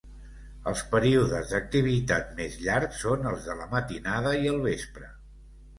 Els períodes d'activitat més llarg són els de la matinada i el vespre.